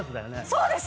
そうです。